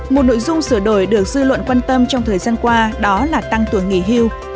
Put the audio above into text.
một nội dung sửa đổi được dư luận quan tâm trong thời gian qua đó là tăng tuổi nghỉ hưu